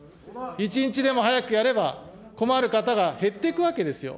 一日でも早くやれば、困る方が減っていくわけですよ。